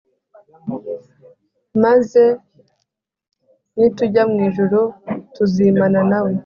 Maze, ni tujya mw ijuru, TuzImana na We.